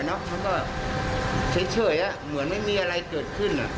มันก็เฉยเหมือนไม่มีอะไรเกิดขึ้น